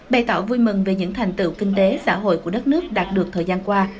bày tỏ vui mừng về những thành tựu kinh tế xã hội của đất nước đạt được thời gian qua